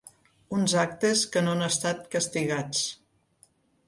Uns actes que no han estat castigats.